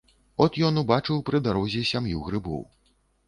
От ён убачыў пры дарозе сям'ю грыбоў.